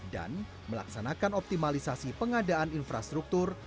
dan melaksanakan optimalisasi pengadaan infrastruktur